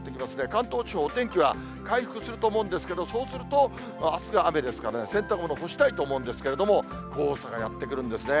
関東地方、お天気は回復すると思うんですけど、そうすると、あすが雨ですから、洗濯物、干したいと思うんですけれども、黄砂がやって来るんですね。